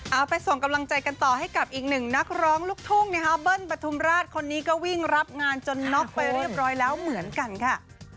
เอาไปส่งกำลังใจกันต่อให้กับอีกหนึ่งนักร้องลูกทุ่งนะคะเบิ้ลปฐุมราชคนนี้ก็วิ่งรับงานจนน็อกไปเรียบร้อยแล้วเหมือนกันค่ะ